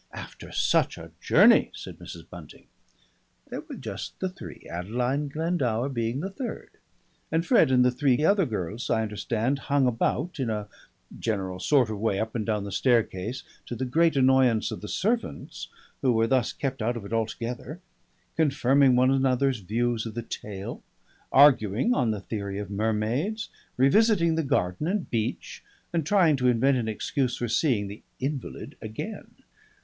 "After such a journey," said Mrs. Bunting. There were just the three, Adeline Glendower being the third; and Fred and the three other girls, I understand, hung about in a general sort of way up and down the staircase (to the great annoyance of the servants who were thus kept out of it altogether) confirming one another's views of the tail, arguing on the theory of mermaids, revisiting the garden and beach and trying to invent an excuse for seeing the invalid again.